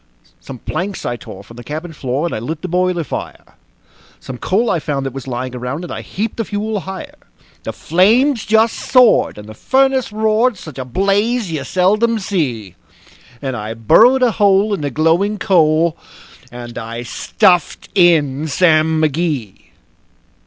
Some planks I tore from the cabin floor, and I lit the boiler fire; Some coal I found that was lying around, and I heaped the fuel higher; The flames just soared, and the furnace roared such a blaze you seldom see; And I burrowed a hole in the glowing coal, and I stuffed in Sam McGee.